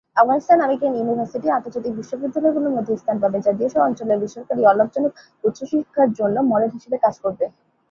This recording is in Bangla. আফগানিস্তান আমেরিকান ইউনিভার্সিটি আন্তর্জাতিক বিশ্ববিদ্যালয়গুলোর মধ্যে স্থান পাবে, যা দেশ ও অঞ্চলের বেসরকারী অ-লাভজনক উচ্চশিক্ষার জন্য মডেল হিসেবে কাজ করবে।